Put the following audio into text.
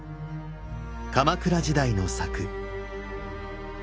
鎌倉時代の作。